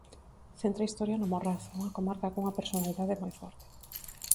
Centra a historia no Morrazo, unha comarca cunha personalidade moi forte.